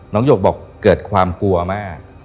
หยกบอกเกิดความกลัวมาก